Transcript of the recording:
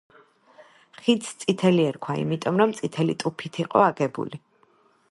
ხიდს „წითელი“ ერქვა იმიტომ, რომ წითელი ტუფით იყო აგებული.